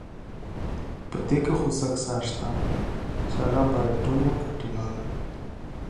There is some dispute as to whether he was a baritone or tenor.